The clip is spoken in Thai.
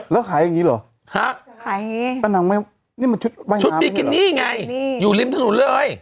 แล้วขายอย่างงี้หรอใช่ขายอย่างงี้นี่มันชุดว่ายน้ำชุดบิกินี่ไงอยู่ริมถนนเลย